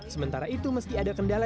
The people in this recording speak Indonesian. sementara itu meski ada kendala